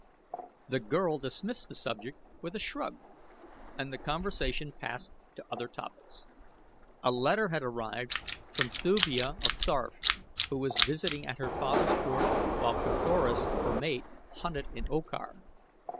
The girl dismissed the subject with a shrug and the conversation passed to other topics. A letter had arrived from Thuvia of Ptarth, who was visiting at her father's court while Carthoris, her mate, hunted in Okar.